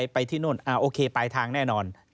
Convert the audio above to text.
ไปที่นู่นโอเคปลายทางแน่นอน